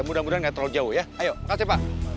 mudah mudahan gak troll jauh ya ayo kasih pak